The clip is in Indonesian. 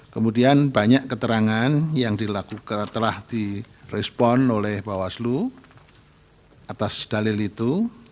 kemudian banyak keterangan yang telah direspon oleh bawaslu atas dalil itu